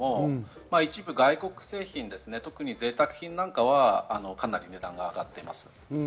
一部外国製品ですね、特に贅沢品なんかは、かなり値段が上がっています。